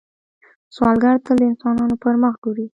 سوالګر تل د انسانانو پر مخ ګوري